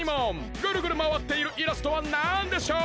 ぐるぐるまわっているイラストはなんでしょう？